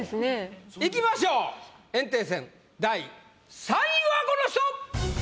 いきましょう炎帝戦第３位はこの人！